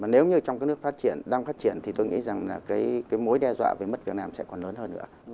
nếu như trong các nước đang phát triển thì tôi nghĩ rằng mối đe dọa về mất việc làm sẽ còn lớn hơn nữa